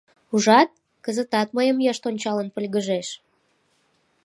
Ужат, кызытат мыйым йышт ончалын пыльгыжеш.